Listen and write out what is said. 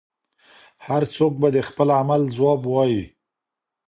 هر څوک به د خپل عمل ځواب وايي.